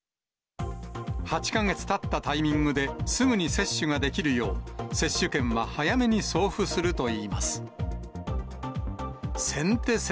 ８か月たったタイミングですぐに接種ができるよう、接種券は早めに送付するといいます。